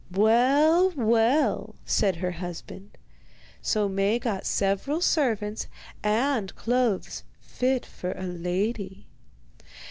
'Well, well,' said her husband. So Maie got several servants and clothes fit for a great lady.